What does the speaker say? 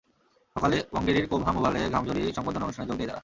সকালে ওয়াঙ্গেরির কোবহাম ওভালে ঘাম ঝরিয়েই সংবর্ধনা অনুষ্ঠানে যোগ দেয় তারা।